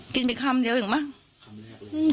กินไปคำเดี๋ยวอีกมั้ง